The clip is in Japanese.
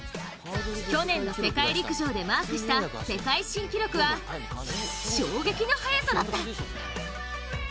去年の世界陸上でマークした世界新記録は衝撃の速さだった。